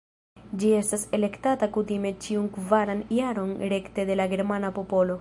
Ĝi estas elektata kutime ĉiun kvaran jaron rekte de la germana popolo.